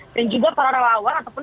dan juga para lawan ataupun